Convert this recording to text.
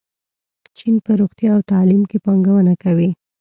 چین په روغتیا او تعلیم کې پانګونه کوي.